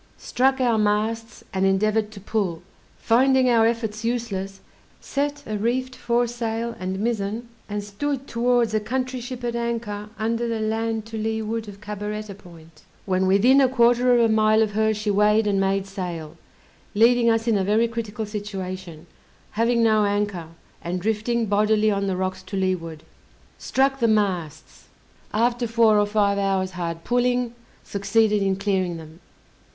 Struck our masts, and endeavored to pull; finding our efforts useless, set a reefed foresail and mizzen, and stood towards a country ship at anchor under the land to leeward of Cabaretta Point. When within a quarter of a mile of her she weighed and made sail, leaving us in a very critical situation, having no anchor, and drifting bodily on the rocks to leeward. Struck the masts: after four or five hours hard pulling, succeeded in clearing them.